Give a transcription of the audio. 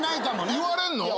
言われんの？